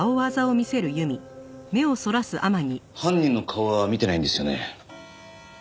犯人の顔は見てないんですよね？